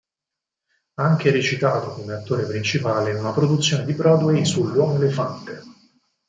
Ha anche recitato come attore principale in una produzione di Broadway sull"'Uomo elefante".